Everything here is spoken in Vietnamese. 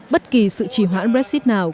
bất kỳ sự chỉ hoãn brexit nào